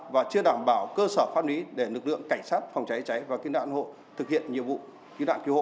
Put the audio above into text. và chưa đảm bảo cơ sở pháp lý để lực lượng cảnh sát phòng cháy chữa cháy và cứu nạn cứu hộ thực hiện nhiệm vụ